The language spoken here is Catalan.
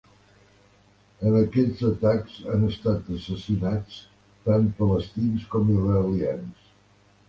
En aquests atacs han estat assassinats tant palestins com israelians.